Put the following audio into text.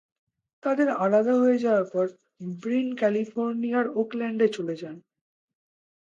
তাদের আলাদা হয়ে যাওয়ার পর, ব্রিন ক্যালিফোর্নিয়ার ওকল্যান্ডে চলে যান।